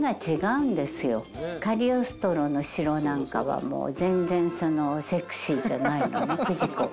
『カリオストロの城』なんかはもう全然セクシーじゃないのね不二子が。